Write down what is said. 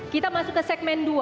kita masuk ke segmen dua